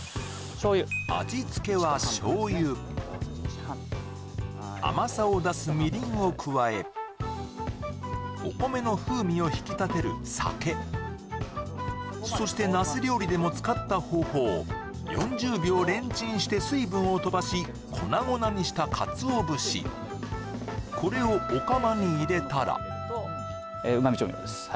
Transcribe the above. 味つけは醤油甘さを出すみりんを加えお米の風味を引き立てる酒そしてナス料理でも使った方法４０秒レンチンして水分をとばし粉々にしたかつお節これをお釜に入れたらうま味調味料です